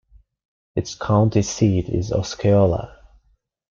Its county seat is Osceola.